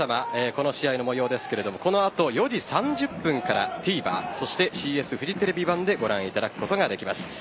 この試合の模様ですがこの後、４時３０分からＴＶｅｒそしてＣＳフジテレビＯＮＥでご覧いただくことができます。